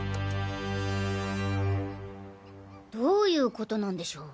どういうことなんでしょう？